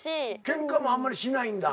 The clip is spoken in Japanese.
ケンカもあんまりしないんだ。